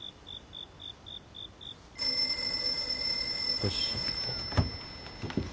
☎よし。